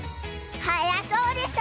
はやそうでしょ！